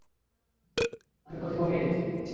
আমাদের গতি কমিয়ে দিচ্ছে!